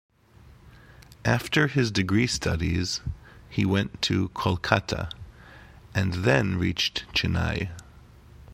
After his degree studies, he went to Kolkata, and then reached Chennai.